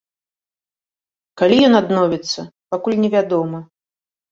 Калі ён адновіцца, пакуль невядома.